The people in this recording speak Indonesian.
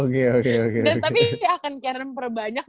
tapi ya kan karen perbanyak